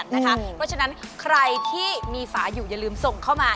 เพราะฉะนั้นใครที่มีฝาอยู่อย่าลืมส่งเข้ามา